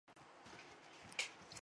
振永则是词曲创作人和制作人。